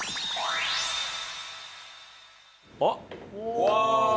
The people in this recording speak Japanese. あっ！